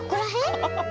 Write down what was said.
アハハハハ。